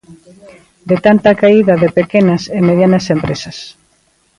De tanta caída de pequenas e medianas empresas.